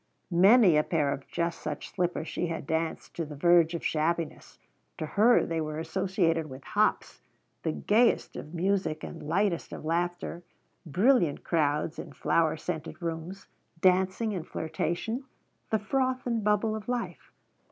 Many a pair of just such slippers she had danced to the verge of shabbiness. To her they were associated with hops, the gayest of music and lightest of laughter, brilliant crowds in flower scented rooms, dancing and flirtation the froth and bubble of life.